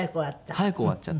早く終わっちゃって。